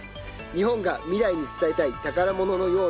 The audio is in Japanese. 日本が未来に伝えたい宝物のような大自然。